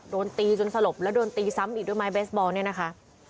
โดนตีจนสลบแล้วโดนตีซ้ำอีกด้วยไม้เบสบอลเนี่ยนะคะ